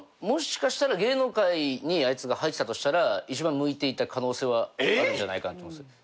もしかしたら芸能界にあいつが入ってたとしたら一番向いていた可能性はあるんじゃないかと思ってます。